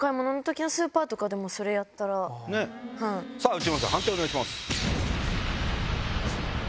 内村さん判定をお願いします。